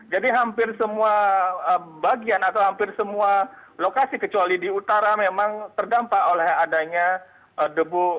jadi hampir semua bagian atau hampir semua lokasi kecuali di utara memang terdampak oleh adanya debu vulkanik